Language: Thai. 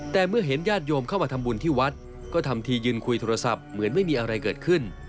แต่เมื่อเห็นญาติโยมเข้ามาทำบุญที่วัดก็ทำทียืนคุยโทรศัพท์เหมือนไม่มีอะไรเกิดขึ้น